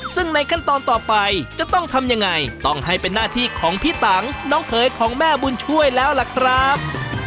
ซึ่งในขั้นตอนต่อไปจะต้องทำยังไงต้องให้เป็นหน้าที่ของพี่ตังน้องเขยของแม่บุญช่วยแล้วล่ะครับ